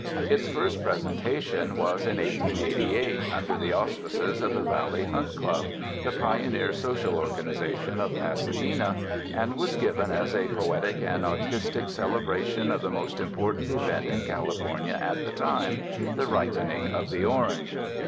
Its first presentation was in 1888, under the au spices of the Valley Hunt Club, the pioneer social organization of Pasadena, and was given ''as a po etic and artistic celebration of the most important event in California at the time — the ripening of the orange.